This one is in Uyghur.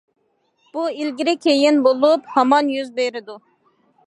بۇ ئىلگىرى- كىيىن بولۇپ ھامان يۈز بېرىدۇ.